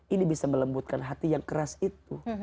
ini bisa melembutkan hati yang keras itu